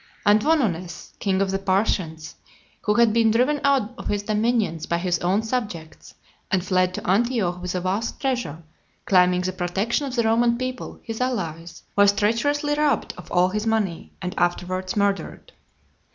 And Vonones, king of the Parthians, who had been driven out of his dominions by his own subjects, and fled to Antioch with a vast treasure, claiming the protection of the Roman people, his allies, was treacherously robbed of all his money, and afterwards murdered.